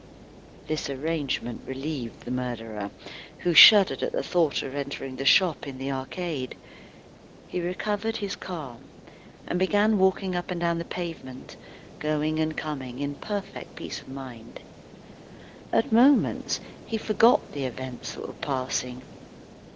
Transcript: This arrangement relieved the murderer, who shuddered at the thought of entering the shop in the arcade. He recovered his calm, and began walking up and down the pavement, going and coming, in perfect peace of mind. At moments, he forgot the events that were passing.